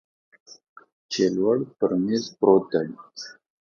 چې لوړ پر میز پروت دی